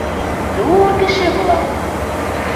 Ҙур кеше булам.